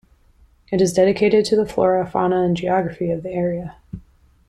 It is dedicated to the flora, fauna and geography of the area.